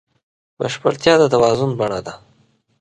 بشپړتیا د توازن بڼه ده.